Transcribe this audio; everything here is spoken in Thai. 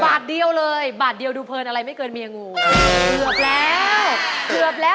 บาทเดียวแล้วที่อีกค่ะ